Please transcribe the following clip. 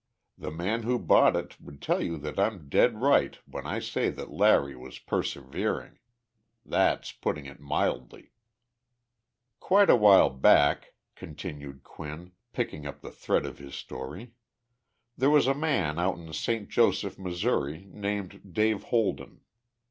The man who bought it would tell you that I'm dead right when I say that Larry was persevering. That's putting it mildly." Quite a while back [continued Quinn, picking up the thread of his story] there was a man out in Saint Joseph, Missouri, named Dave Holden.